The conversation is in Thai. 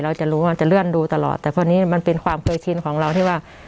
เราจะรู้มันจะเลื่อนดูตลอดแต่พอนี้มันเป็นความเคยชินของเราที่ว่า